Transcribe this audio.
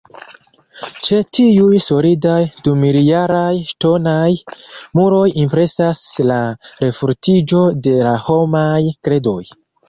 Ĉe tiuj solidaj dumiljaraj ŝtonaj muroj impresas la refortiĝo de la homaj kredoj.